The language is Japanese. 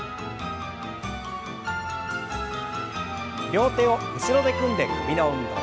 両手を後ろで組んで首の運動。